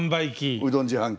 うどん自販機。